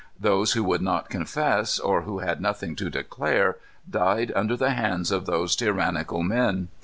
Those who would not confess, or who had nothing to declare, died under the hands of those tyrannical men.